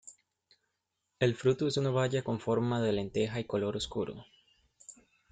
El fruto es una baya con forma de lenteja y color oscuro.